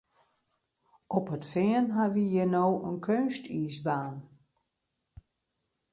Op it Fean ha we hjir no in keunstiisbaan.